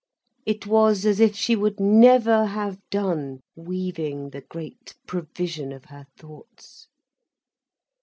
It was as if she would never have done weaving the great provision of her thoughts.